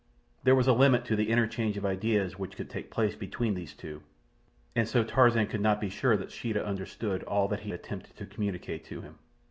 There was a limit to the interchange of ideas which could take place between these two, and so Tarzan could not be sure that Sheeta understood all that he attempted to communicate to him.